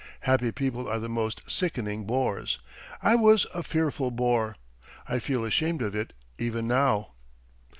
Happy people are the most sickening bores. I was a fearful bore; I feel ashamed of it even now.